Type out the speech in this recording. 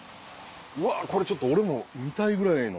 うわこれちょっと俺も見たいぐらいの。